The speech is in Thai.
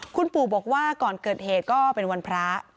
คุณปู่บอกว่าก่อนเกิดเหตุก็เป็นวันพระ